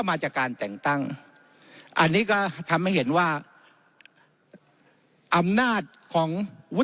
มาจากการแต่งตั้งอันนี้ก็ทำให้เห็นว่าอำนาจของวุฒิ